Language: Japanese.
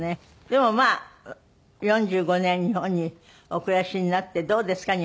でもまあ４５年日本にお暮らしになってどうですか？